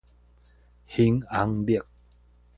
猩紅熱